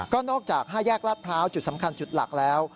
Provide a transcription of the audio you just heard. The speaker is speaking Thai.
ก็นอกจาก๕แยกลาดพร้าวจุดสำคัญจุดหลักแล้ว